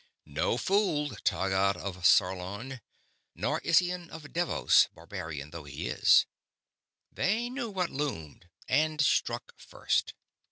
No fool, Taggad of Sarlon; nor Issian of Devoss, barbarian though he is. They knew what loomed, and struck first.